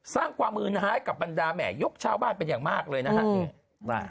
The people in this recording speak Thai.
สร้างความมือให้กับบรรดาแหม่ยกชาวบ้านเป็นอย่างมากเลยนะฮะ